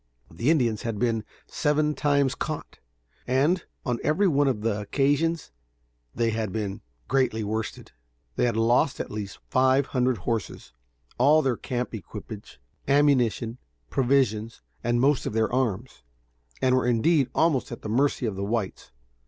The Indians had been seven times caught, and, on every one of the occasions, they had been greatly worsted. They had lost at least five hundred horses, all their camp equipage, ammunition, provisions, and most of their arms, and were indeed almost at the mercy of the whites.